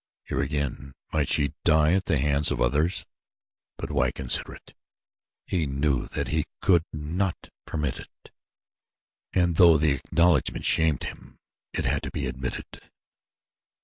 Here again might she die at the hands of others; but why consider it! He knew that he could not permit it, and though the acknowledgment shamed him, it had to be admitted.